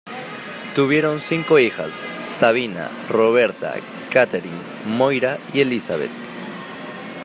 Tuvieron cinco hijas; Sabina, Roberta, Catherine, Moira, y Elizabeth.